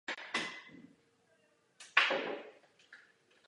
Chcete zaznamenávat údaje o každém na světě!